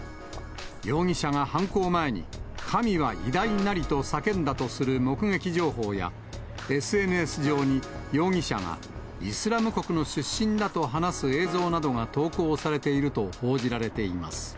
容疑者が犯行前に、神は偉大なりと叫んだとする目撃情報や、ＳＮＳ上に、容疑者がイスラム国の出身だと話す映像などが投稿されていると報じられています。